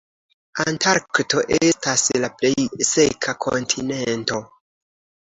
Antarkto estas la plej seka kontinento.